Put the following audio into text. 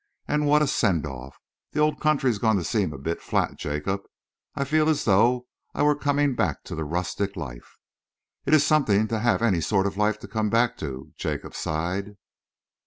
And what a send off! The old country's going to seem a bit flat, Jacob. I feel as though I were coming back to the rustic life." "It's something to have any sort of life to come back to," Jacob sighed.